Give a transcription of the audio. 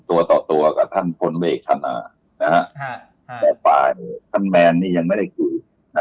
แต่ท่านแมนนี้ยังไม่ได้คุย